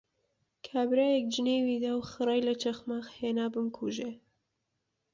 کابرایەک جنێوێکی دا و خڕەی لە چەخماخ هێنا بمکوژێ